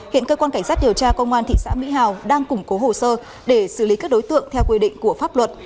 hiện cơ quan cảnh sát điều tra công an thị xã mỹ hào đang củng cố hồ sơ để xử lý các đối tượng theo quy định của pháp luật